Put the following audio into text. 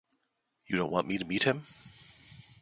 You don't want me to meet him?